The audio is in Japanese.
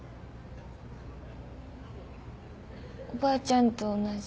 おばあちゃんと同じ。